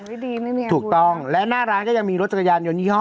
ไม่ดีไม่มีอะไรถูกต้องและหน้าร้านก็ยังมีรถจักรยานยนยี่ห้อ